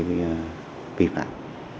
quyền vi phạm